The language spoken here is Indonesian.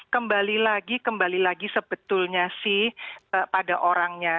kembali lagi kembali lagi sebetulnya sih pada orangnya